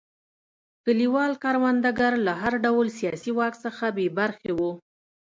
کلیوال کروندګر له هر ډول سیاسي واک څخه بې برخې وو.